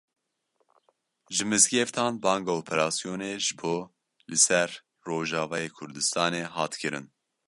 Ji mizgeftan banga operasyonê ji bo li ser Rojavayê Kurdistanê hat kirin.